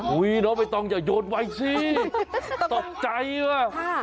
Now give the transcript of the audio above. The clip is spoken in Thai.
อุ้ยน้องไม่ต้องอย่าโยนไว้สิตกใจอะ